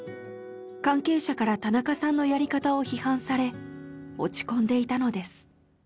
関係者から田中さんのやり方を批判され落ち込んでいたのです。